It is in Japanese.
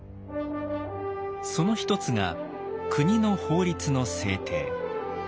その一つが国の法律の制定。